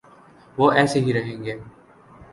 وہ ایسے ہی رہیں گے۔